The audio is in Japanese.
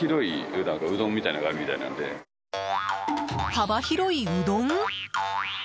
幅広いうどん？